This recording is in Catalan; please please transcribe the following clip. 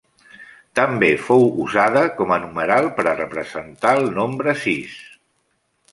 També fou usada com a numeral per representar el nombre sis.